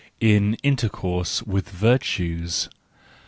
In Intercourse with Virtues